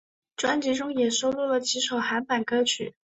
专辑中也收录了几首韩版歌曲。